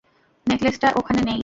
নেকলেসটা ওখানে নেই!